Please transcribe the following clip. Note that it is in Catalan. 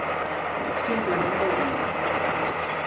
Simplement veuria.